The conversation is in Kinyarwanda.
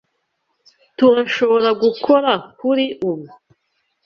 Turashobora gukora kuri ubu?